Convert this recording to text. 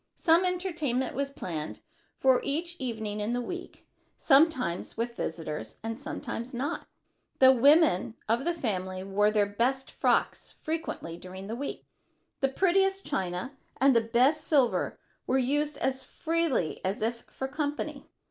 Some entertainment was planned for each evening in the week, sometimes with visitors and sometimes not. The women of the family wore their best frocks frequently during the week. The prettiest china and the best silver were used as freely as if for company.